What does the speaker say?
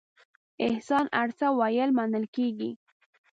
احسان هر څه ویل منل کېږي.